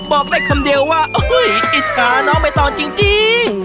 บอกได้คำเดียวว่าอุ้ยอิทธาน้องไปตอนจริง